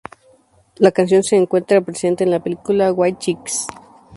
La canción se encuentra presente en la película "White Chicks".